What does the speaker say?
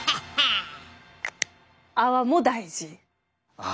泡も大事。